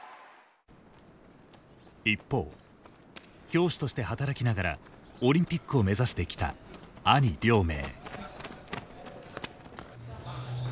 一方教師として働きながらオリンピックを目指してきた兄亮明。